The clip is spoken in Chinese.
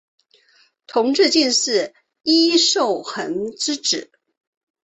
同治进士尹寿衡之子。